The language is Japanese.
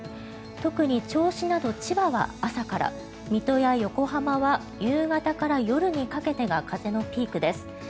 特に銚子など千葉は朝から水戸や横浜は夕方から夜にかけてが風のピークです。